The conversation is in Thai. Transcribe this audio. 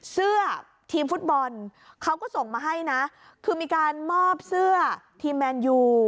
เสื้อทีมฟุตบอลเขาก็ส่งมาให้นะคือมีการมอบเสื้อทีมแมนยู